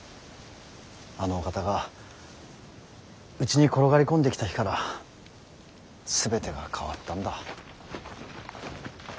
あのお方がうちに転がり込んできた日から全てが変わったんだ。